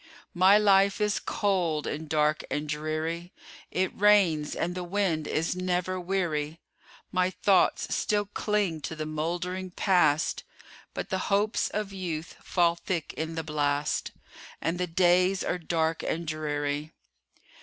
My life is cold, and dark, and dreary; It rains, and the wind is never weary; My thoughts still cling to the moldering Past, But the hopes of youth fall thick in the blast, And the days are dark and dreary.